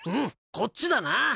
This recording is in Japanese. こっちだな。